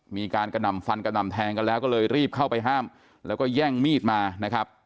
มีการกระหน่ำฟันกระหน่ำแทงกันแล้วก็เลยรีบเข้าไปห้ามแล้วก็แย่งมีดมานะครับ